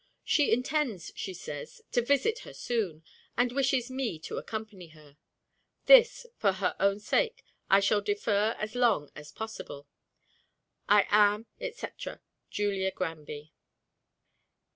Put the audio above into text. She intends, she says, to visit her soon, and wishes me to accompany her. This, for her own sake, I shall defer as long as possible. I am, &c., JULIA GRANBY.